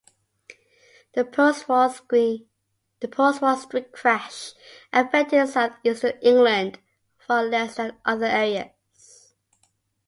The post-Wall Street Crash affected South Eastern England far less than other areas.